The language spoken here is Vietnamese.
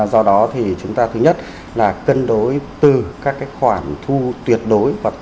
do đó thì chúng ta thứ nhất là cân đối từ các khoản thu tuyệt đối